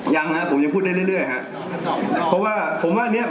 ยังฮะผมยังพูดได้เรื่อยฮะเพราะว่าผมว่าเนี่ย